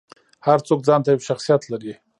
هر څوک ځانته یو شخصیت لري.